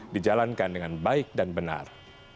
dijalankan dengan baik dan benar